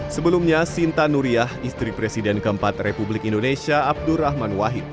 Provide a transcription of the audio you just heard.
sebelumnya sinta nuriyah istri presiden keempat republik indonesia abdurrahman wahid